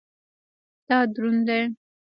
دا دروند دی